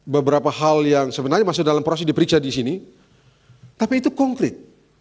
beberapa hal yang sebenarnya masih dalam proses diperiksa di sini tapi itu konkret